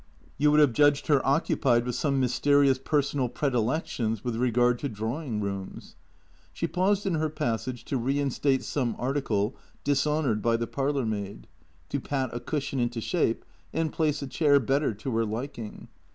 You would have judged her occu pied with some mysterious personal predilections with regard to drawing rooms. She paused in her passage to reinstate some article dishonoured by the parlour maid, to pat a cushion into shape and place a chair better to her liking.